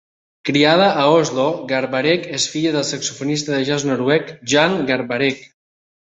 Criada a Oslo, Garbarek és filla del saxofonista de jazz noruec Jan Garbarek.